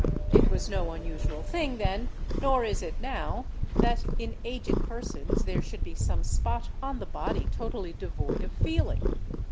It was no unusual thing then, nor is it now, that in aged persons there should be some spot on the body totally devoid of feeling.